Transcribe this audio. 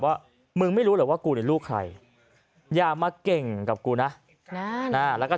ว่ามึงไม่รู้หรอกว่ากูเนี่ยลูกใครอย่ามาเก่งกับกูนะแล้วก็